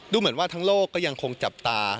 เหมือนว่าทั้งโลกก็ยังคงจับตา